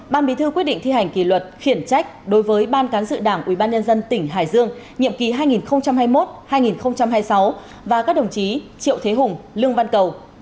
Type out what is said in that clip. ban bí thư quyết định thi hành kỷ luật khiển trách đối với ban cán sự đảng ubnd tỉnh hải dương nhiệm kỳ hai nghìn hai mươi một hai nghìn hai mươi sáu và các đồng chí triệu thế hùng lương văn cầu